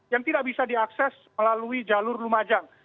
yang tidak bisa diakses melalui jalur lumajang